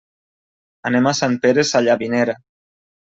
Anem a Sant Pere Sallavinera.